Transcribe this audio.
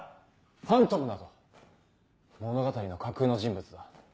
ファントムなど物語の架空の人物だ。